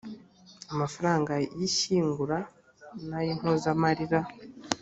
amafaranga y ishyingura n ay impozamarira